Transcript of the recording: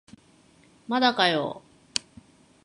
まだかよ